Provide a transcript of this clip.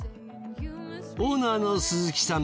オーナーの鈴木さん